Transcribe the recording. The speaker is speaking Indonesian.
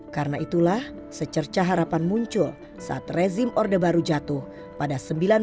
karena itulah secerca harapan muncul saat rezim orde baru jatuh pada seribu sembilan ratus sembilan puluh delapan